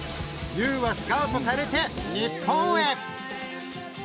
ＹＯＵはスカウトされて日本へ。